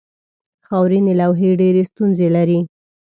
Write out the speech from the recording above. خاورینې لوحې ډېرې ستونزې لري.